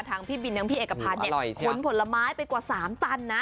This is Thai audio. ทางพี่บินเบลือริสพี่เอกพันธ์เนี่ยขนผลไม้ไปกว่าสามตันนะ